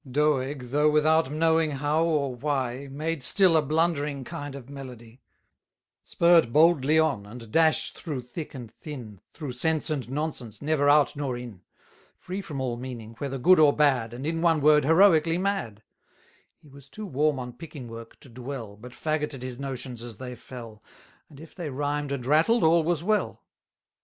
Doeg, though without knowing how or why, Made still a blundering kind of melody; Spurr'd boldly on, and dash'd through thick and thin, Through sense and nonsense, never out nor in; Free from all meaning, whether good or bad, And, in one word, heroically mad: He was too warm on picking work to dwell, But fagoted his notions as they fell, And if they rhymed and rattled, all was well.